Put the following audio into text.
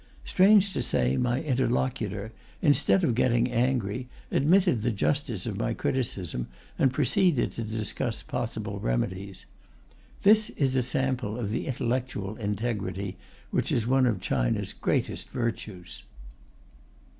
Strange to say, my interlocutor, instead of getting angry, admitted the justice of my criticism, and proceeded to discuss possible remedies. This is a sample of the intellectual integrity which is one of China's greatest virtues.